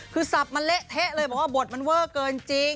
คือสับมันเละเทะเลยบอกว่าบทมันเวอร์เกินจริง